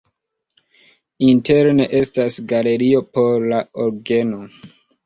Interne estas galerio por la orgeno.